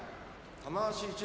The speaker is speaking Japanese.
玉鷲一朗